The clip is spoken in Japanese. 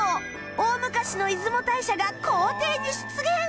大昔の出雲大社が校庭に出現！